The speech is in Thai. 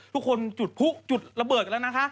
ทุกคนจุดระเบิดแล้วนะคะ